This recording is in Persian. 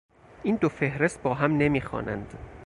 این دو فهرست با هم نمیخوانند.